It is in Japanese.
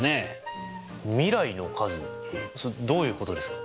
どういうことですか？